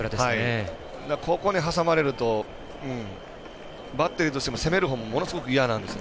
ここに挟まれるとバッテリーとしても攻めるのもものすごく嫌なんです。